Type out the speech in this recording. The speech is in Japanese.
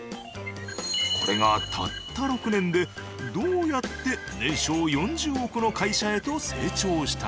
これがたった６年でどうやって年商４０億の会社へと成長したのか？